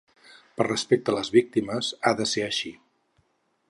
Per respecte a les víctimes, ha de ser així.